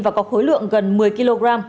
và có khối lượng gần một mươi kg